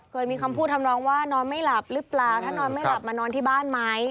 เคยมีคำพูดทำนองว่านอนไม่หลับหรือเปล่าถ้านอนไม่หลับมานอนที่บ้านไหม